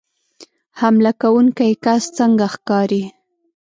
حمله کوونکی کس څنګه ښکاري